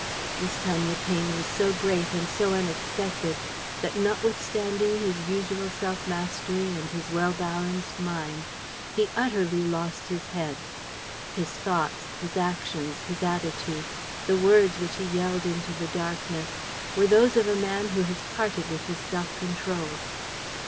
This time the pain was so great and so unexpected that, notwithstanding his usual self mastery and his well balanced mind, he utterly lost his head. His thoughts, his actions, his attitudes, the words which he yelled into the darkness were those of a man who has parted with his self control.